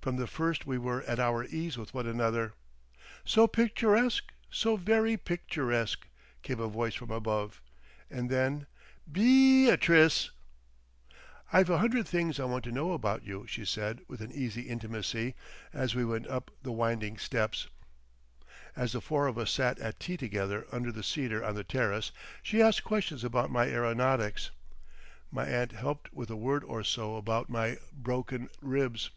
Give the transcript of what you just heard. From the first we were at our ease with one another. "So picturesque, so very picturesque," came a voice from above, and then: "Bee atrice!" "I've a hundred things I want to know about you," she said with an easy intimacy, as we went up the winding steps.... As the four of us sat at tea together under the cedar on the terrace she asked questions about my aeronautics. My aunt helped with a word or so about my broken ribs.